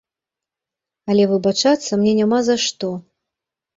Але выбачацца мне няма за што.